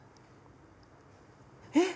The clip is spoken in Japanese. えっ！